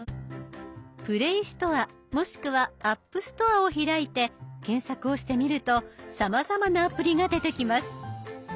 ＰｌａｙストアもしくはＡｐｐＳｔｏｒｅを開いて検索をしてみるとさまざまなアプリが出てきます。